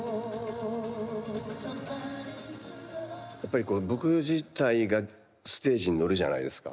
やっぱりこう僕自体がステージに乗るじゃないですか。